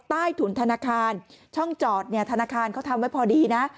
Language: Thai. ใต้ถุนธนาคารช่องจอดเนี่ยธนาคารเขาทำไว้พอดีนะ